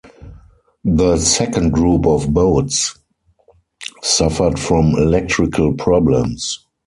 The second group of boats suffered from electrical problems.